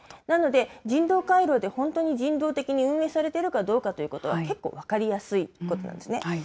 なので、人道回廊で本当に人道的に運営されているかどうかということを結構分かりやすいことなんですね。